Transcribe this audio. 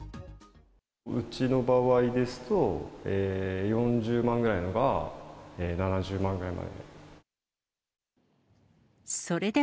うちの場合ですと、４０万ぐらいが７０万ぐらいまで。